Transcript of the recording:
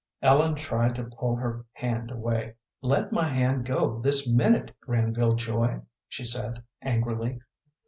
Ellen tried to pull her hand away. "Let my hand go this minute, Granville Joy," she said, angrily.